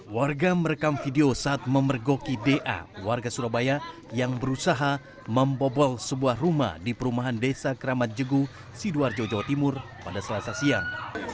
warga merekam video saat memergoki da warga surabaya yang berusaha membobol sebuah rumah di perumahan desa keramat jegu sidoarjo jawa timur pada selasa siang